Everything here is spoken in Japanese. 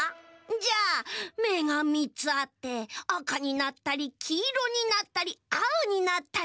じゃあめが３つあってあかになったりきいろになったりあおになったり。